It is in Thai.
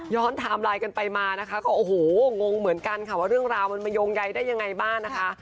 ไทม์ไลน์กันไปมานะคะก็โอ้โหงงเหมือนกันค่ะว่าเรื่องราวมันมาโยงใยได้ยังไงบ้างนะคะ